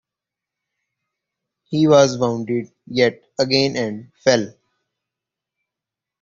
He was wounded yet again and fell.